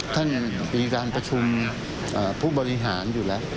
ท่านมีการประชุมผู้บริหารอยู่แล้ว